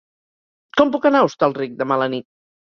Com puc anar a Hostalric demà a la nit?